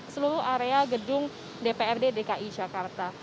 seluruh area gedung dprd dki jakarta